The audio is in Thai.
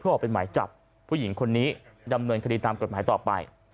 ออกเป็นหมายจับผู้หญิงคนนี้ดำเนินคดีตามกฎหมายต่อไป